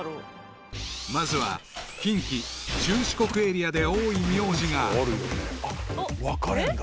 ［まずは近畿中四国エリアで多い名字が］分かれんだ。